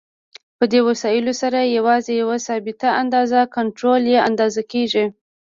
په دې وسایلو سره یوازې یوه ثابته اندازه کنټرول یا اندازه کېږي.